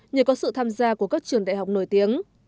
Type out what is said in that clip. nhờ có sự tham gia của các trường đại học nổi tiếng